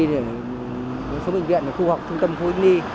để xuống bệnh viện ở khu học thông tâm phú yên đi